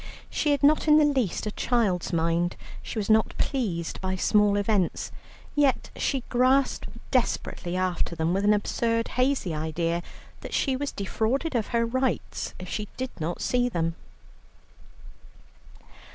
She had not in the least a child's mind; she was not pleased by small events, yet she grasped desperately after them, with an absurd, hazy idea that she was defrauded of her rights, if she did not see them.